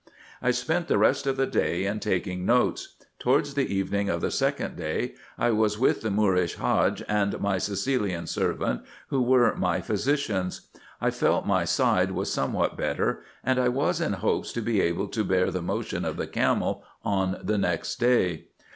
I spent the rest of the day in taking notes. Towards the evening of the second day, I was with the Moorish Hadge and my Sicilian servant, who were my physicians. 432 RESEARCHES AND OPERATIONS I felt my side was somewhat better, and I was in hopes to be able to bear the motion of the camel on the next day.